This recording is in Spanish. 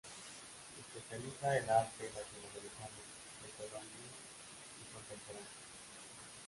Se especializa en arte latinoamericano, precolombino y contemporáneo.